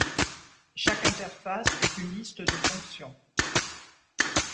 Chaque interface est une liste de fonctions.